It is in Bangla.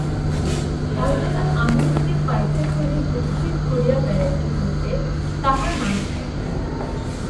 অচেনার আনন্দকে পাইতে হইলে পৃথিবী ঘুরিয়া বেড়াইতে হইবে, তাহার মানে নাই।